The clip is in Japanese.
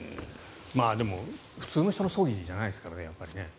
でも、普通の人の葬儀じゃないですからね。